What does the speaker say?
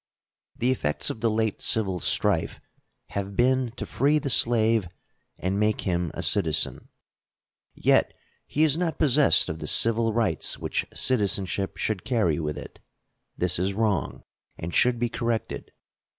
The effects of the late civil strife have been to free the slave and make him a citizen. Yet he is not possessed of the civil rights which citizenship should carry with it. This is wrong, and should be corrected.